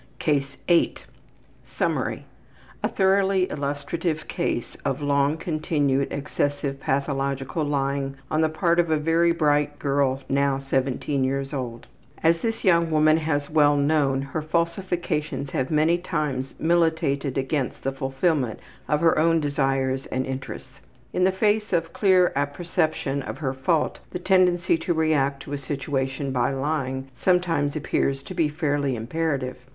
CASE 8 Summary: A thoroughly illustrative case of long continued, excessive pathological lying on the part of a very bright girl, now 17 years old. As this young woman has well known, her falsifications have many times militated against the fulfillment of her own desires and interests. In the face of clear apperception of her fault, the tendency to react to a situation by lying sometimes appears to be fairly imperative.